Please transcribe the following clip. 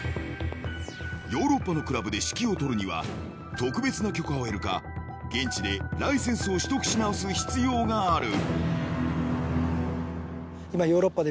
［ヨーロッパのクラブで指揮を執るには特別な許可を得るか現地でライセンスを取得し直す必要がある］